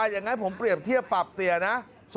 อย่างนั้นผมเปรียบเทียบปรับเสียนะ